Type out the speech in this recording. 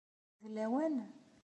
D lawan?